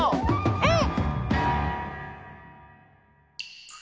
うん！